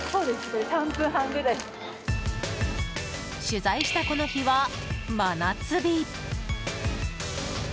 取材したこの日は、真夏日。